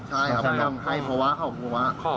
ใช่แปลงให้พัวพุโภวะ